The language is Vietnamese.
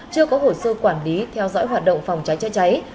chưa có hồ sơ quản lý theo dõi hoạt động phòng cháy chữa cháy